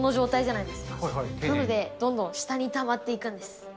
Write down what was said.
なので、どんどん下にたまっていくんです。